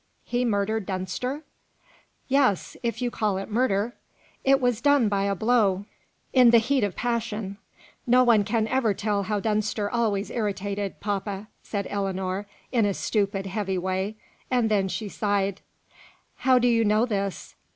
he murdered Dunster?" "Yes. If you call it murder. It was done by a blow, in the heat of passion. No one can ever tell how Dunster always irritated papa," said Ellinor, in a stupid, heavy way; and then she sighed. "How do you know this?"